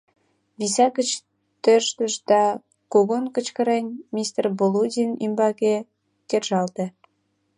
Виса гыч тӧрштыш да, кугун кычкырен, мистер Болудин ӱмбаке кержалте.